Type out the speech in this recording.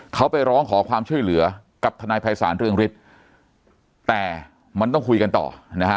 เขาไปร้องขอความช่วยเหลือกับทนายภัยศาลเรืองฤทธิ์แต่มันต้องคุยกันต่อนะฮะ